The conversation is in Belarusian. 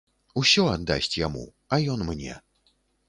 Усё аддасць яму, а ён мне.